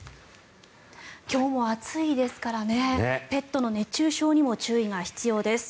今日も暑いですからペットの熱中症にも注意が必要です。